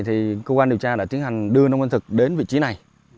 thì cơ quan điều tra đã tiến hành đưa nông văn thực đến vị trí này